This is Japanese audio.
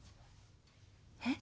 えっ！？